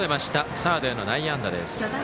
サードへの内野安打です。